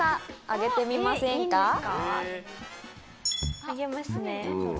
あげますね。